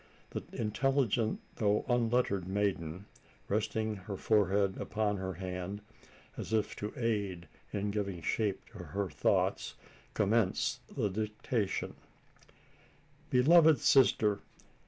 The intelligent though unlettered maiden, resting her forehead upon her hand as if to aid in giving shape to her thoughts commenced the dictation: "Beloved sister!